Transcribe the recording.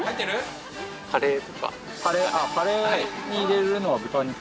カレーに入れるのは豚肉。